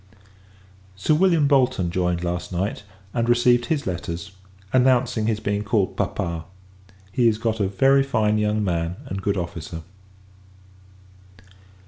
Sir William Bolton joined last night; and received his letters, announcing his being called papa. He is got a very fine young man and good officer.